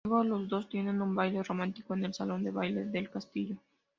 Luego, los dos tienen un baile romántico en el salón de baile del castillo.